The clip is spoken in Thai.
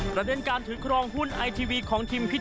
ประเด็นการถือครองหุ้นไอทีวีของทีมพิษ